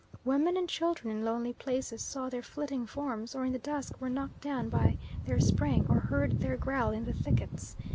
Women and children in lonely places saw their flitting forms, or in the dusk were knocked down by their spring, or heard their growl in the thickets.